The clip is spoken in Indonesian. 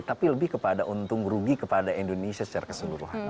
tapi lebih kepada untung rugi kepada indonesia secara keseluruhan